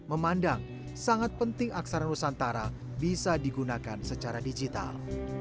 memandang sangat penting aksara nusantara bisa digunakan secara digital